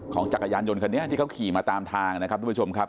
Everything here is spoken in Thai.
จักรยานยนต์คันนี้ที่เขาขี่มาตามทางนะครับทุกผู้ชมครับ